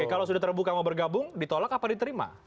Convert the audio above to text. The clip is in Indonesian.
kalau sudah terbuka mau bergabung ditolak apa diterima